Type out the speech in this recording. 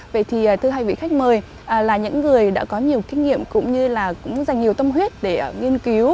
vậy thì thưa hai vị khách mời là những người đã có nhiều kinh nghiệm cũng như là cũng dành nhiều tâm huyết để nghiên cứu